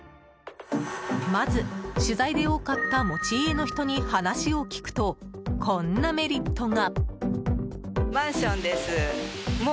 まず取材で多かった持ち家の人に話を聞くと、こんなメリットが。